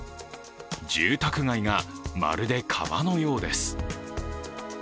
住宅街がまるで川のようです。